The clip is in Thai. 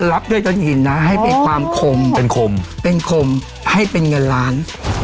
รับด้วยต้นหินนะให้เป็นความคมเป็นคมเป็นคมให้เป็นเงินล้าน